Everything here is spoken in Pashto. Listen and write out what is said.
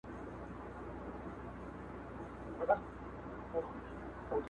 o کاڼی مي د چا په لاس کي وليدی.